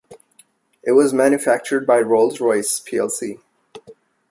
It was manufactured by Rolls-Royce plc.